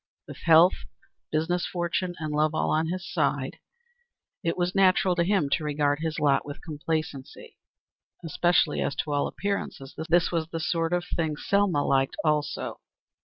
With health, business fortune, and love all on his side, it was natural to him to regard his lot with complacency. Especially as to all appearances, this was the sort of thing Selma liked, also.